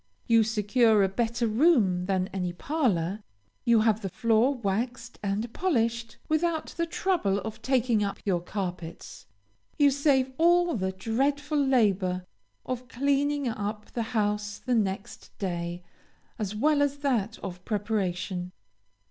You secure a better room than any parlor, you have the floor waxed and polished without the trouble of taking up your carpets. You save all the dreadful labor of cleaning up the house the next day, as well as that of preparation.